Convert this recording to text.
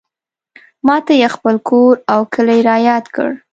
ماته یې خپل کور او کلی رایاد کړ.